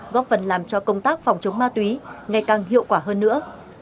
góp phần làm cho công tác phòng chống ma túy ngày càng hiệu quả hơn nữa